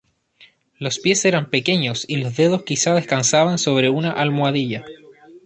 Los pies eran pequeños y los dedos quizá descansaban sobre una almohadilla.